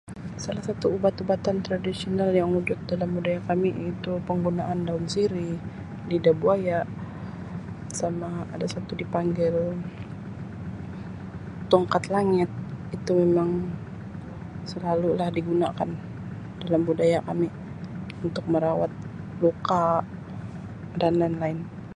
Salah satu ubat-ubatan tradisional yang wujud dalam budaya kami iaitu penggunaan daun sirih, lidah buaya sama ada satu dipanggil tongkat langit itu memang selalu lah digunakan dalam budaya kami untuk merawat luka dan lain-lain.